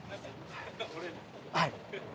はい。